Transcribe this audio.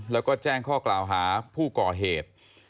แล้วก็แจ้งข้อกล่าวหาผู้ก่อเหตุ